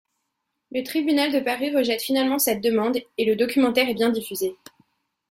Le tribunal de Paris rejette finalement cette demande et le documentaire est bien diffusé.